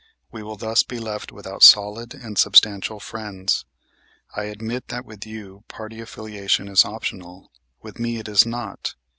We will thus be left without solid and substantial friends. I admit that with you party affiliation is optional. With me it is not.